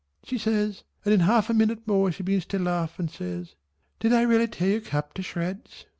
she says, and in half a minute more she begins to laugh and says "Did I really tear your cap to shreds?"